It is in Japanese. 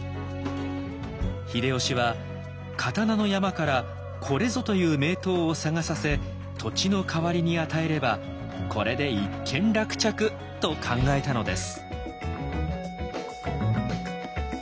秀吉は刀の山からこれぞという名刀を探させ土地の代わりに与えればこれで一件落着と考えたのです。